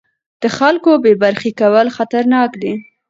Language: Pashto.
د خلکو بې برخې کول خطرناک دي